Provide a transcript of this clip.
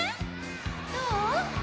どう？